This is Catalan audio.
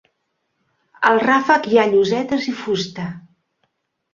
Al ràfec hi ha llosetes i fusta.